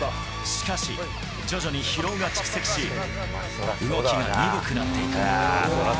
しかし、徐々に疲労が蓄積し、動きが鈍くなっていく。